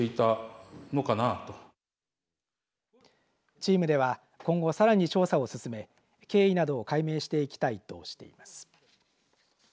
チームでは今後さらに調査を進め経緯などを解明していきたいとしています。